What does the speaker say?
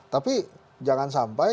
tapi jangan sampai